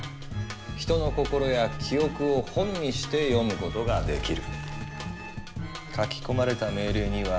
人の心や記憶を「本」にして読むことができる。